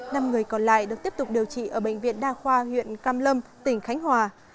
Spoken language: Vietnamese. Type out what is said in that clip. năm người còn lại được tiếp tục điều trị ở bệnh viện đa khoa huyện cam lâm tỉnh khánh hòa